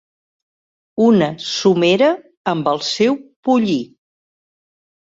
Una somera amb el seu pollí.